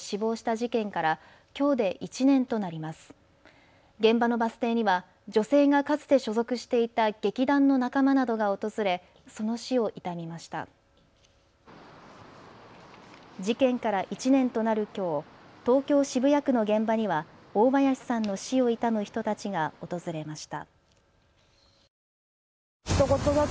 事件から１年となるきょう、東京渋谷区の現場には大林さんの死を悼む人たちが訪れました。